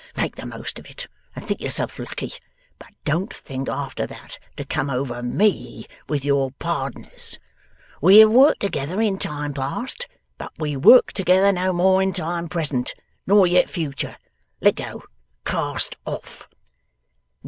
Make the most of it and think yourself lucky, but don't think after that to come over ME with your pardners. We have worked together in time past, but we work together no more in time present nor yet future. Let go. Cast off!